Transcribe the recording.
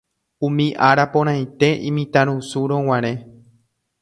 umi ára porãite imitãrusúrõguare